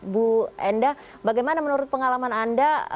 bu enda bagaimana menurut pengalaman anda